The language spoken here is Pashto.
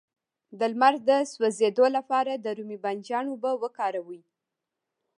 د لمر د سوځیدو لپاره د رومي بانجان اوبه وکاروئ